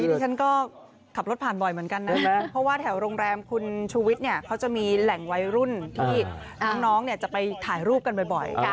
ดิฉันก็ขับรถผ่านบ่อยเหมือนกันนะเพราะว่าแถวโรงแรมคุณชูวิทย์เนี่ยเขาจะมีแหล่งวัยรุ่นที่น้องจะไปถ่ายรูปกันบ่อย